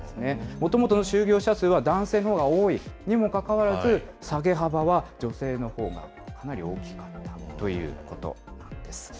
もともとの就業者数は男性のほうが多いにもかかわらず、下げ幅は女性のほうがかなり大きかったということなんです。